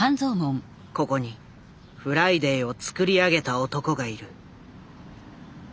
ここに「フライデー」をつくり上げた男がいる。